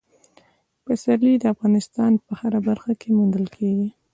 پسرلی د افغانستان په هره برخه کې موندل کېږي.